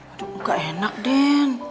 aduh enak den